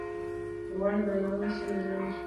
که غواړې بریالی واوسې؛ نو ځان قوي وښیاست.